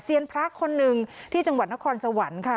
พระคนหนึ่งที่จังหวัดนครสวรรค์ค่ะ